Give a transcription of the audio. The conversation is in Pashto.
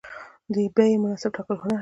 د بیې مناسب ټاکل هنر دی.